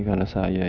dan aku gak tau